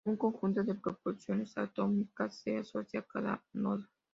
Un conjunto de proposiciones atómicas se asocia a cada nodo.